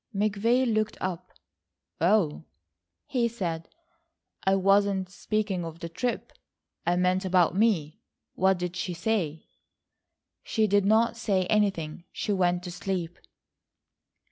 McVay looked up. "Oh," he said, "I wasn't speaking of the trip. I meant about me. What did she say?" "She did not say anything. She went to sleep."